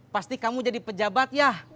pasti kamu jadi pejabat ya